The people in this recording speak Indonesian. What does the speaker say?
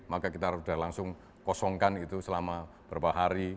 maka kita sudah langsung kosongkan itu selama beberapa hari